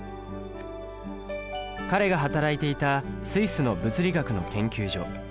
彼が働いていたスイスの物理学の研究所。